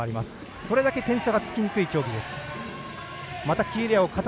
それだけ点差がつきにくい競技。